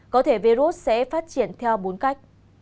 có thể virus sẽ phát triển theo bốn cách